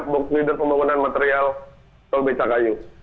box leader pembangunan material tol becakayu